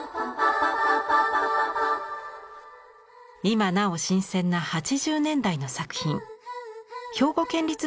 今なお新鮮な８０年代の作品。